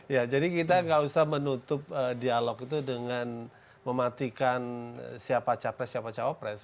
ya jadi kita nggak usah menutup dialog itu dengan mematikan siapa capres siapa cawapres